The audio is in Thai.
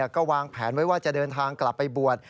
ก็วางแผนไว้ว่าจะเดินทางกลับไปบวช